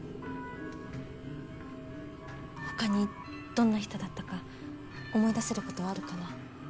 他にどんな人だったか思い出せる事はあるかな？